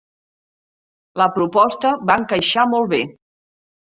La proposta va encaixar molt bé.